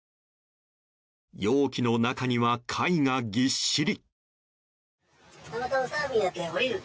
容器の中には貝がぎっしり。